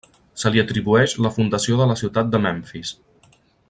Se li atribueix la fundació de la ciutat de Memfis.